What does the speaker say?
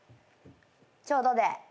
ちょうどで。